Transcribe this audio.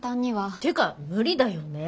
ていうか無理だよねえ。